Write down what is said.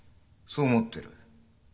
そう思ってる。